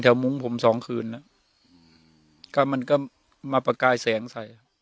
แถวโมงผมสองคืนแล้วก็มันก็มาประกายแสงใส่